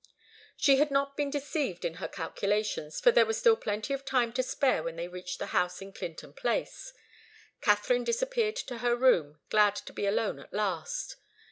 She had not been deceived in her calculations, for there was still plenty of time to spare when they reached the house in Clinton Place. Katharine disappeared to her room, glad to be alone at last.